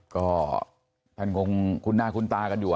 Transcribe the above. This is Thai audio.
ก็ท่านคงคุ้นหน้าคุ้นตากันอยู่